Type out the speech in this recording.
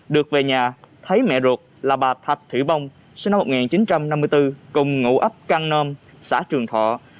được về nhà thấy mẹ ruột là bà thạch thủy bông sinh năm một nghìn chín trăm năm mươi bốn cùng ngủ ấp căng nôm xã trường thọ